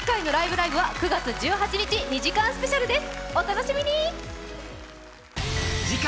ライブ！」は９月１８日、２時間スペシャルです。